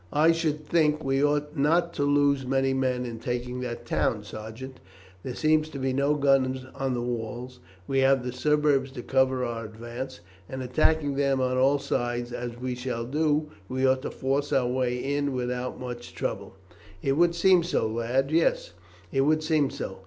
"I should think we ought not to lose many men in taking that town, sergeant. There seem to be no guns on the walls. We have the suburbs to cover our advance, and attacking them on all sides, as we shall do, we ought to force our way in without much trouble." "It would seem so, lad; yes, it would seem so.